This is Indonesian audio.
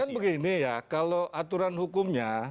kan begini ya kalau aturan hukumnya